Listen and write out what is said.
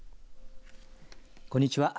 こんにちは。